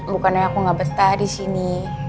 bukannya aku nggak betah di sini